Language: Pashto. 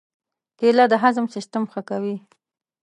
کېله د هضم سیستم ښه کوي.